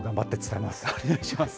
お願いします。